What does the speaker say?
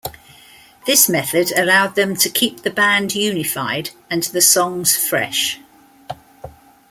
This method allowed them to keep the band unified and the songs fresh.